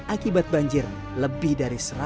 akibat banjir lebih dari